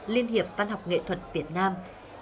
liên hiệp văn học nghệ thuật việt nam